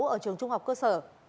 ở trường trung học cơ sở